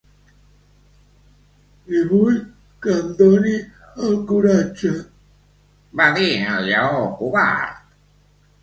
"I vull que em doni el coratge", va dir el lleó covard.